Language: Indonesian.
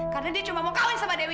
karena dia cuma mau kawin sama dewi